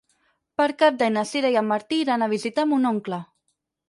Per Cap d'Any na Sira i en Martí iran a visitar mon oncle.